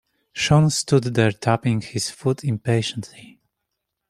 Sean stood there tapping his foot impatiently.